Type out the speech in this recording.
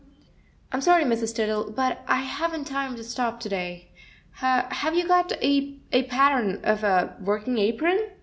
"I'm sorry, Mrs. Tuttle, but I haven't time to stop to day. Ha have you got a a pattern of a working apron?